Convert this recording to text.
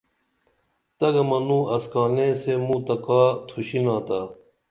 تگہ منوں اسکانے سے موں تہ کا تُھشِناتا